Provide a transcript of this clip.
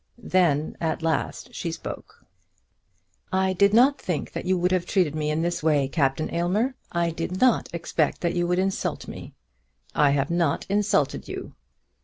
Then at last she spoke. "I did not think that you would have treated me in this way, Captain Aylmer! I did not expect that you would insult me!" "I have not insulted you."